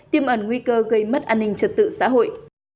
tiêm ẩn nguy cơ gây mất an ninh trật tự xã hội